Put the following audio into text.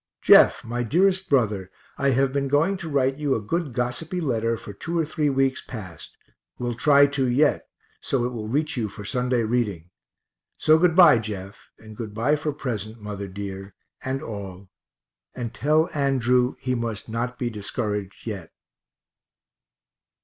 Jeff, my dearest brother, I have been going to write you a good gossipy letter for two or three weeks past; will try to yet, so it will reach you for Sunday reading so good bye, Jeff, and good bye for present, mother dear, and all, and tell Andrew he must not be discouraged yet.